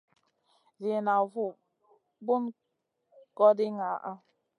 Ziina vu Bun kogndi ngaana.